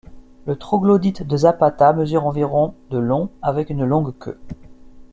Le troglodyte de Zapata mesure environ de long, avec une longue queue.